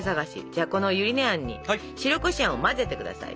じゃあこのゆり根あんに白こしあんを混ぜてください。